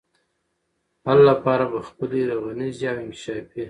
حل لپاره به خپلي رغنيزي او انکشافي